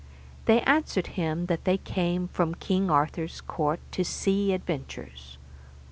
They answered him that they came from King Arthur's court to see adventures.